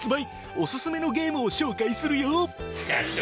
オススメのゲームを紹介するよ。